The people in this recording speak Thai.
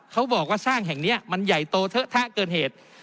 เขาบอกว่าสร้างแห่งนี้มันใหญ่โตเทอะทะเกินเหตุ